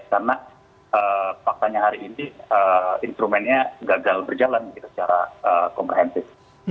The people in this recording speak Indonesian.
karena faktanya hari ini instrumennya gagal berjalan gitu secara komprehensif